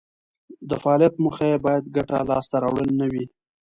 د فعالیت موخه یې باید ګټه لاس ته راوړل نه وي.